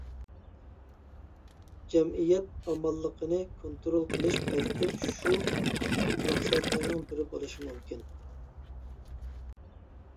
جەمئىيەت ئامانلىقىنى كونترول قىلىش بەلكىم شۇ مەقسەتلەرنىڭ بىرى بولۇشى مۇمكىن.